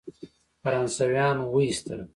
فرانسویان وایستل.